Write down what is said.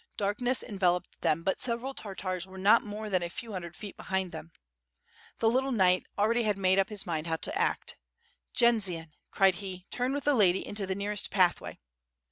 Darkness enveloped them, but several Tartars were not more than a few hundred feet behind them. The little knight already had made up his mind how to act. "Jendzian," cried he, "turn with the lady into the nearest pathway."